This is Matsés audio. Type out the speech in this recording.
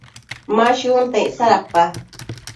Ma shunta icsa dapa?